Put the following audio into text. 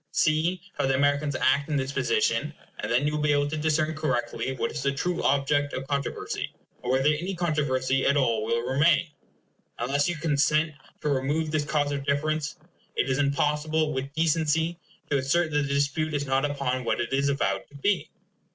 See how the Americans act in this position, and then you will be able to discern correctly what is the true object of the controversy, or whether any controversy at all will remain. Unless you consent to remove this cause of difference, it is impossible, with decency, to assert that the dispute is not upon what it is avowed to be.